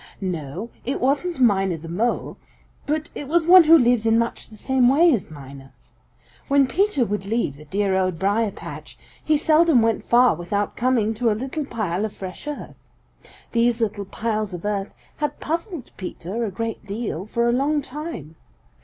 No, it wasn't Miner the Mole, but it was one who lives in much the same way as Miner. When Peter would leave the dear Old Briar patch he seldom went far without coming to a little pile of fresh earth. These little piles of earth had puzzled Peter a great deal for a long time.